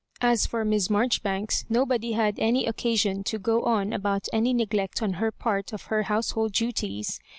As for Miss Marjoribanks, nobody had any occasion to " go on" about any neglect on her part of her house hold duties.